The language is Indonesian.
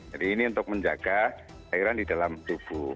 jadi ini untuk menjaga airan di dalam tubuh